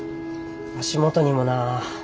足元にもな。